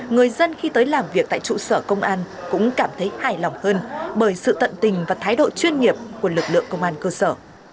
người dân khi tới làm việc tại trụ sở công an cũng cảm thấy hài lòng hơn bởi sự tận tình và thái độ chuyên nghiệp của lực lượng công an cơ sở